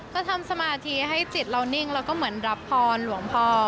ก็ทำสมาธิให้จิตเรานิ่งแล้วก็เหมือนรับพรหลวงพ่อ